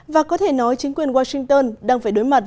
và có thể nói chính quyền washington đang phải đối mặt